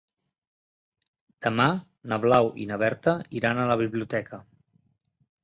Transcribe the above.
Demà na Blau i na Berta iran a la biblioteca.